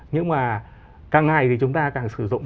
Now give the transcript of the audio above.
nhưng mà càng ngày thì chúng ta càng sử dụng